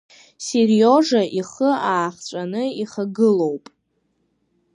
Сериожа ихы аахҵәаны ихагылоуп…